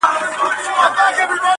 نجلۍ نه وه شاه پري وه ګلدسته وه٫